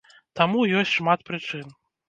Таму ёсць шмат прычын.